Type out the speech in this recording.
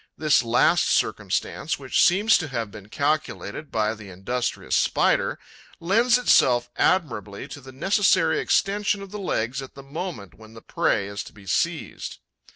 This last circumstance, which seems to have been calculated by the industrious Spider, lends itself admirably to the necessary extension of the legs at the moment when the prey is to be seized.